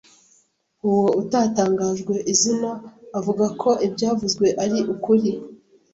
Uwo utatangajwe izina avuga ko ibyavuzwe ari ukuri